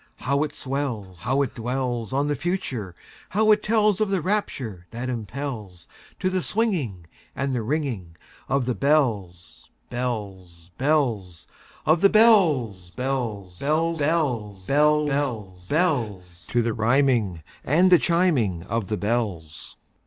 How it swells! How it dwellsOn the Future! how it tellsOf the rapture that impelsTo the swinging and the ringingOf the bells, bells, bells, Of the bells, bells, bells, bells, Bells, bells, bells—To the rhyming and the chiming of the bells!